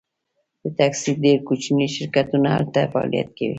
د ټکسي ډیر کوچني شرکتونه هلته فعالیت کوي